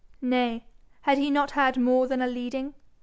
Nay, had he not had more than a leading?